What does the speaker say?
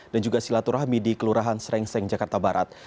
dan juga silaturahmi di kelurahan srengseng jakarta barat